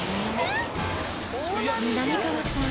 ［みなみかわさん］